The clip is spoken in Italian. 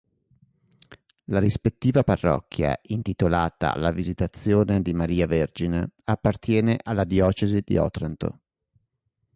La rispettiva parrocchia, intitolata alla "Visitazione di Maria Vergine", appartiene alla Diocesi di Otranto.